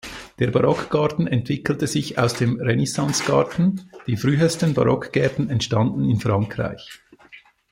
Der Barockgarten entwickelte sich aus dem Renaissancegarten, die frühesten Barockgärten entstanden in Frankreich.